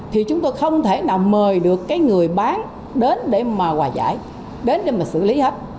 thì chúng tôi không thể nào mời được cái người bán đến để mà hòa giải đến để mà xử lý hết